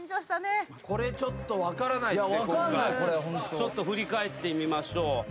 ちょっと振り返ってみましょう。